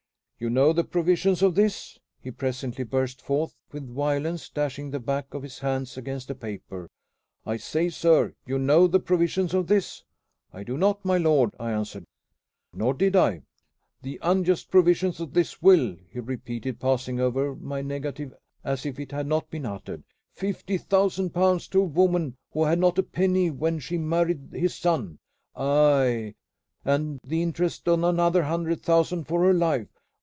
"You know the provisions of this?" he presently burst forth with violence, dashing the back of his hand against the paper. "I say, sir, you know the provisions of this?" "I do not, my lord," I answered. Nor did I. "The unjust provisions of this will," he repeated, passing over my negative as if it had not been uttered. "Fifty thousand pounds to a woman who had not a penny when she married his son! Aye, and the interest on another hundred thousand for her life!